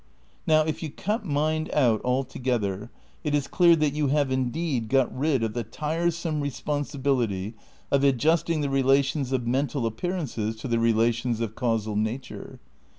Now if you cut mind out altogether it is clear that you have indeed got rid of the tiresome responsibility of adjusting the relations of mental appearances to the relations of causal nature.